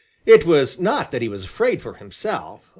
It was not that he was afraid for himself.